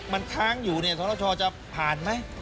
มันค้างอยู่เนี่ยสรชจะผ่านไหม